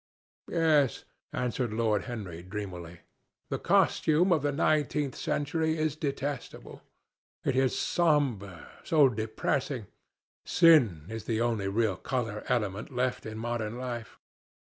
"Yes," answered Lord Henry dreamily, "the costume of the nineteenth century is detestable. It is so sombre, so depressing. Sin is the only real colour element left in modern life."